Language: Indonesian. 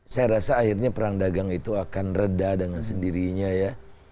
saya rasa akhirnya perang dagang itu akan reda dengan sendirinya ya